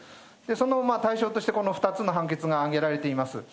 その対象として、この２つの判決が挙げられています。